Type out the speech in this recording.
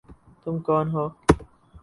تم کون ہو؟